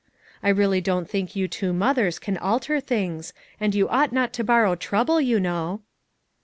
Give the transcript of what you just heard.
I really don't think you two mothers can alter things, and you ought not to borrow trouble, you know."